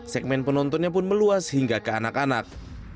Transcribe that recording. segmen penontonnya pun meluas hingga ke anak anak